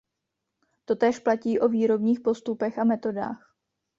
Totéž platí o výrobních postupech a metodách.